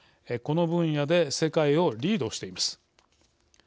この分野で世界をリードしています。